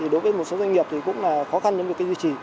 đối với một số doanh nghiệp cũng khó khăn để duy trì